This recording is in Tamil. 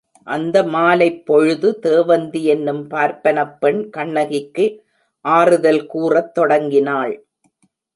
அந்த மாலைப் பொழுது தேவந்தி என்னும் பார்ப்பனப் பெண் கண்ணகிக்கு ஆறுதல் கூறத் தொடங்கினாள்.